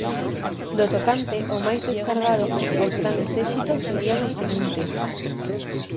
No tocante ao máis descargado, os grandes éxitos serían os seguintes: